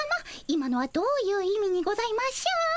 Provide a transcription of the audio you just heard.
今のはどういう意味にございましょう？